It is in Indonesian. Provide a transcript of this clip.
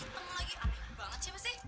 banget siapa sih